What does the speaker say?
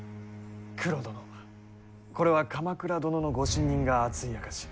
九郎殿、これは鎌倉殿のご信任が厚い証し。